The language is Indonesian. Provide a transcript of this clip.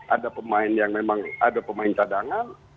ada pemain yang memang ada pemain cadangan